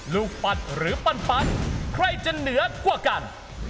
ลูกบัตรหรือปันปันใครจะเหนือกว่ากัน